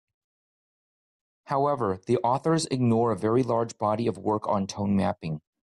However, the authors ignore a very large body of work on tone mapping.